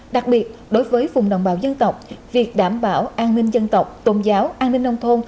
đặc biệt đối với vùng đồng bào dân tộc việc đảm bảo an ninh dân tộc tôn giáo an ninh nông thôn